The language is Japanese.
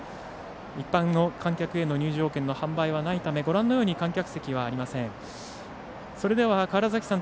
一般の観客への入場券の販売はないためご覧のように観客席はありません。